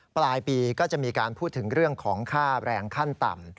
ปลายปีก็จะมีการพูดถึงเรื่องของค่าแรงขั้นต่ำ